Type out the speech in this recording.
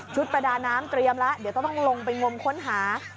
ประดาน้ำเตรียมแล้วเดี๋ยวต้องลงไปงมค้นหา